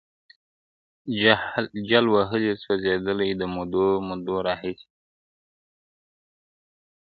جل وهلی سوځېدلی د مودو مودو راهیسي ,